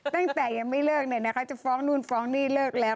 ตั้งแต่ยังไม่เลิกจะฟ้องนู่นฟ้องนี่เลิกแล้ว